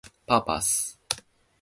パーパス